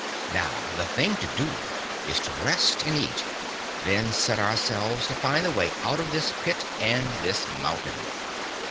"Now the thing to do is to rest and eat, and then set ourselves to find the way out of this pit and this mountain.